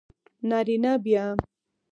نارینه بیا